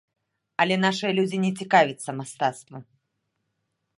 Але нашыя людзі не цікавяцца мастацтвам.